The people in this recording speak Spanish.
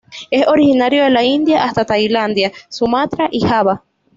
Es originario de la India hasta Tailandia, Sumatra y Java.